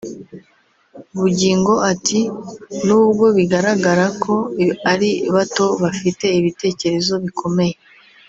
Bugingo ati “Nubwo bigaragara ko ari bato bafite ibitekerezo bikomeye